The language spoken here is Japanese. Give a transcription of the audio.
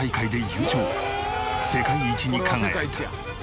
世界一に輝いた。